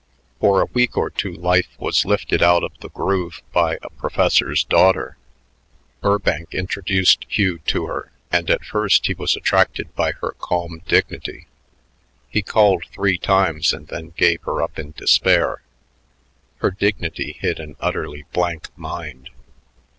For a week or two life was lifted out of the groove by a professor's daughter. Burbank introduced Hugh to her, and at first he was attracted by her calm dignity. He called three times and then gave her up in despair. Her dignity hid an utterly blank mind.